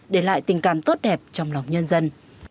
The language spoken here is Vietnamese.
để lại tình cảm tốt đẹp trong lòng nhân dân